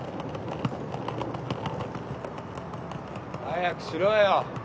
早くしろよ！